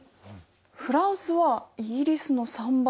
フランスはイギリスの３倍。